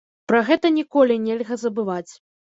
Пра гэта ніколі нельга забываць.